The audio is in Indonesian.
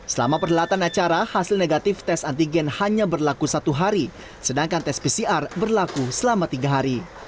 selama perhelatan acara hasil negatif tes antigen hanya berlaku satu hari sedangkan tes pcr berlaku selama tiga hari